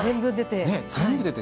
全部出て。